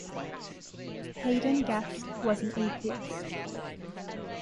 Haden-Guest was an atheist.